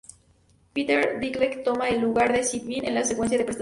Peter Dinklage toma el lugar de Sean Bean en la secuencia de presentación.